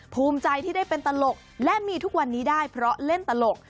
ภูมิใจที่ได้เป็นตลกและมีทุกวันนี้ได้เพราะเล่นตลก